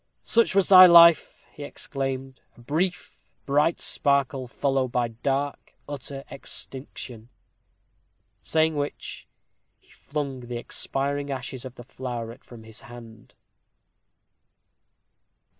"Such was thy life," he exclaimed; "a brief, bright sparkle, followed by dark, utter extinction!" Saying which, he flung the expiring ashes of the floweret from his hand.